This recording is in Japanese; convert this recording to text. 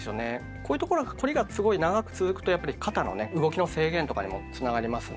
こういうところが凝りがすごい長く続くとやっぱり肩のね動きの制限とかにもつながりますんでね。